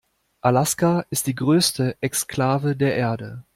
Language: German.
Alaska ist die größte Exklave der Erde.